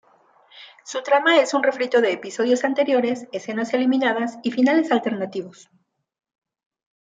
Su trama es un refrito de episodios anteriores, escenas eliminadas y finales alternativos.